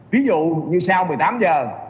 ví dụ như sau một mươi tám h